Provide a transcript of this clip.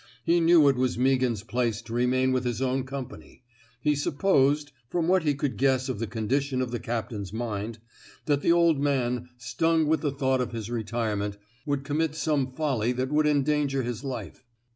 He knew it was Meaghan 's place to remain with his own company. He supposed — from what he could guess of the condition of the captain's mind — that the old man, stung with the thought of his retirement, would commit some folly that would endanger his life.